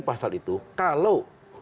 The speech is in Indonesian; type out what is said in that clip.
pasal itu kalau